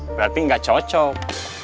berarti gak cocok